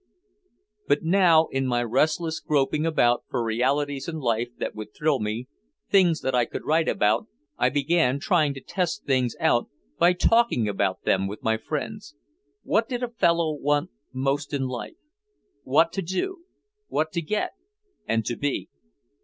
But now in my restless groping around for realities in life that would thrill me, things that I could write about, I began trying to test things out by talking about them with my friends. What did a fellow want most in life what to do, what to get and to be?